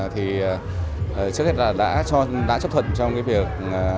thì trước hết là đã chấp thuận trong cái việc